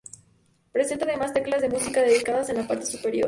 Presenta además teclas de música dedicadas en la parte superior.